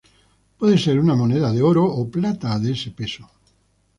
Puede ser una moneda de oro o plata de ese peso.